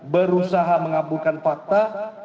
berusaha mengambilkan fakta